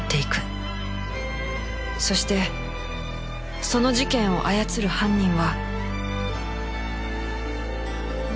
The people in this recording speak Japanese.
そしてその事件を操る犯人は